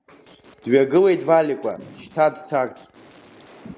Дҩагылеит Валикәа, шьҭа дцарц.